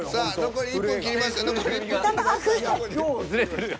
残り１分切りましたよ。